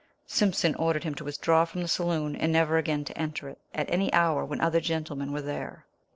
Simpson ordered him to withdraw from the saloon and never again to enter it at an hour when other gentlemen were there.